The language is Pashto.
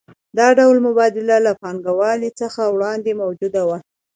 دا ډول مبادله له پانګوالۍ څخه وړاندې موجوده وه